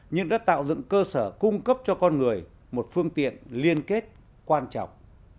nhưng đã tạo dựng cơ sở cung cấp cho con người một phương tiện liên kết quan trọng